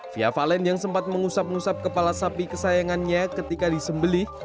fia valen yang sempat mengusap ngusap kepala sapi kesayangannya ketika disembelih